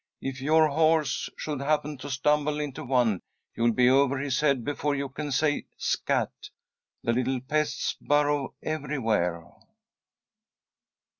"If your horse should happen to stumble into one, you'll be over his head before you can say 'scat.' The little pests burrow everywhere."